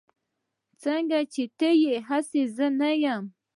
سنګه چې ته يي هسې زه نه يم